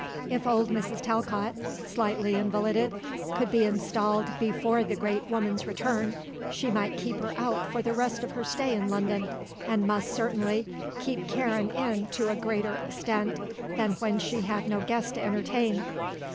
If old Mrs. Talcott, slightly invalided, could be installed before the great woman's return, she might keep her out for the rest of her stay in London, and must, certainly, keep Karen in to a greater extent than when she had no guest to entertain.